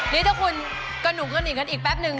นี่ถ้าคุณกระหนุกกันอีกกันอีกแป๊บนึง